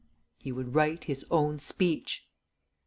_He would write his own speech.